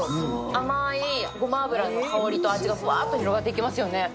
甘いごま油の香りと味がふわっと広がっていきますよね